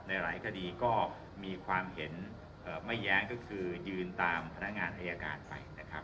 หลายคดีก็มีความเห็นไม่แย้งก็คือยืนตามพนักงานอายการไปนะครับ